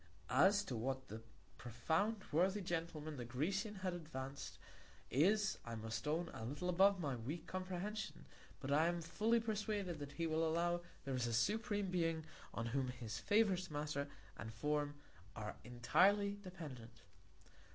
As to what that profound worthy Gentleman the Grecian has advanc'd, is, I must own, a little above my weak Comprehension, but I am fully persuaded, that he will allow there is a supreme Being on whom his favourite Matter and Form are entirely dependent.